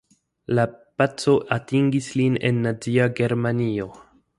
La paco atingis lin en nazia Germanio.